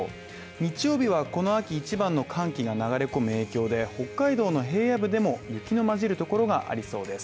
日曜日はこの秋一番の寒気が流れ込む影響で北海道の平野部でも雪の混じるところがありそうです。